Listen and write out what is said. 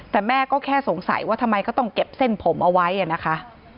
แต่แม่ก็แค่สงสัยว่าทำไมก็ต้องเก็บเส้นผมเอาไว้นะคะ